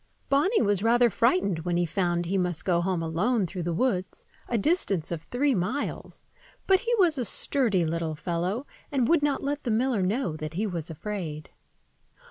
Bonny was rather frightened when he found he must go home alone through the woods, a distance of three miles, but he was a sturdy little fellow, and would not let the miller know that he was afraid.